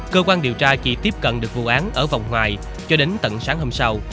cơ quan điều tra chỉ tiếp cận vụ án ở vòng ngoài từ sáng hôm sau